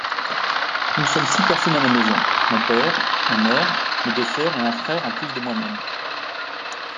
Nous sommes six personnes à la maison. Mon père, ma mère, mes deux sœurs et un frère en plus de moi-même.